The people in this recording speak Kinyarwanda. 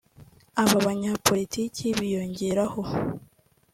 Aba banyapolitiki biyongeraho